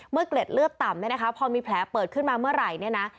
เกล็ดเลือดต่ำเนี่ยนะคะพอมีแผลเปิดขึ้นมาเมื่อไหร่เนี่ยนะ